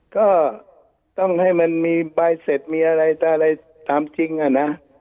ก็ต้องให้มันมีไปเสร็จมีอะไรตามจริงต่างโน้นนะ